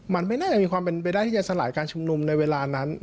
มันไม่น่าจะมีความเป็นไปได้ที่จะสลายการชุมนุมในเวลานั้น